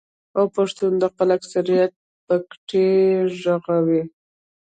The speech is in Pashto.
او پښتون د خپل اکثريت بګتۍ ږغوي.